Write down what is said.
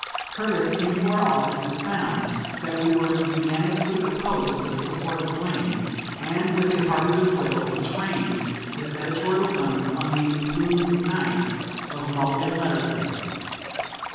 Curtis came to our office and found that we were unanimously opposed to the support of Blaine, and with a hearty good will he trained his editorial guns on the 'Plumed Knight' of Mulligan letter fame.